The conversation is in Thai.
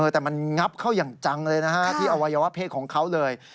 แต่มันงับเข้าอย่างจังเลยนะฮะที่อวัยวะเพศของเขาเลย